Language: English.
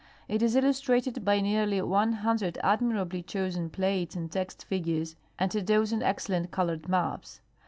It is illustrated by nearly 100 admirably chosen plates and text figures and a dozen excellent colored maps.